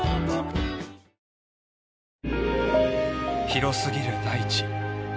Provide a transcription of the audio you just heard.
［広過ぎる大地